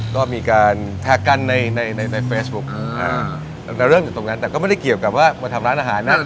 ก็มีการแท็กกันในในเฟซบุ๊คเริ่มอยู่ตรงนั้นแต่ก็ไม่ได้เกี่ยวกับว่ามาทำร้านอาหารนะ